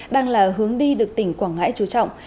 đang là hướng đi được tỉnh quảng ngãi trú trọng